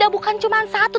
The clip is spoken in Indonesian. bukan cuma satu